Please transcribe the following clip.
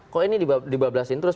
kok ini dibablasin terus